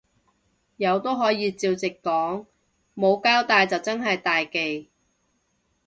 有都可以照直講，冇交帶就真係大忌